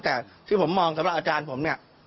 แต่ที่ผมมองสำหรับอาจารย์ผมเนี่ย